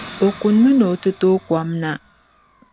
O kunimi ni o ti tooi kom na.